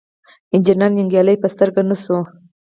انجنیر ننګیالی په سترګه نه شو.